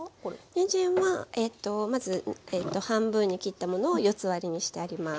にんじんはまず半分に切ったものを四つ割りにしてあります。